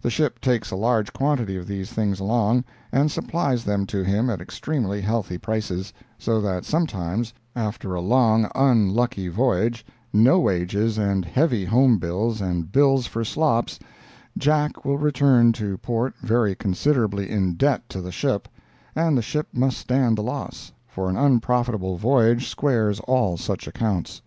The ship takes a large quantity of these things along, and supplies them to him at extremely healthy prices, so that sometimes, after a long, unlucky voyage, no wages and heavy home bills and bills for "slops," Jack will return to port very considerably in debt to the ship, and the ship must stand the loss, for an unprofitable voyage squares all such accounts.